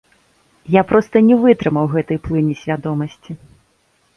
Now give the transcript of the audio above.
Я проста не вытрымаў гэтай плыні свядомасці.